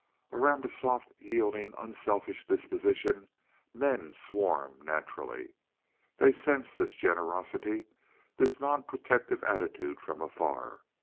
Around a soft, yielding, unselfish disposition men swarm naturally. They sense this generosity, this non protective attitude from afar.